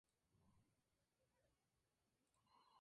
Ambos planes fueron amenazados por el Doctor.